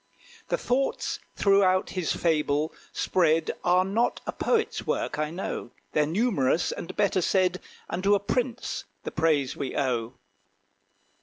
The thoughts throughout his fable spread Are not a poet's work, I know. They're numerous and better said; Unto a prince the praise we owe.